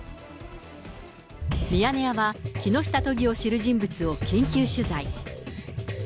ミヤネ屋は木下都議を知る人物を緊急取材。